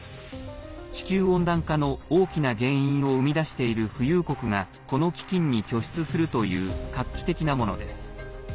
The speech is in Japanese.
地球温暖化の大きな原因を生み出している富裕国がこの基金に拠出するという画期的なものです。